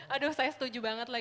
aduh saya setuju banget lagi